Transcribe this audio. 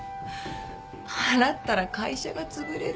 払ったら会社がつぶれる。